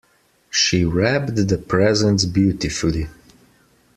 She wrapped the presents beautifully.